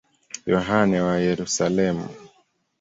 Yohane wa Yerusalemu.